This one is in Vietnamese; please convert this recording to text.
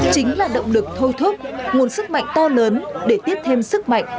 chính là động lực thôi thúc nguồn sức mạnh to lớn để tiếp thêm sức mạnh